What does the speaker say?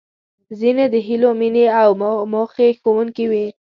ځينې د هیلو، مينې او موخې ښودونکې وې.